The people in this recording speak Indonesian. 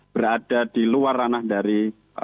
berada di luar ranah dari